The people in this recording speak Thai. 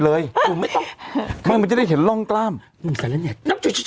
เราเลยต้องเปิดคอนิดนึง